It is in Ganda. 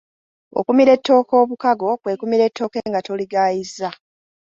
Okumira ettooke obukago, kwe kumira ettooke nga toligayizza.